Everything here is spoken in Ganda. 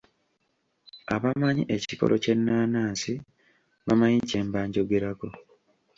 Abamanyi ekikolo ky'ennaanansi bamanyi kye mba njogerako.